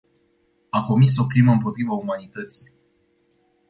A comis o crimă împotriva umanității.